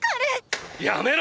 やめろ！！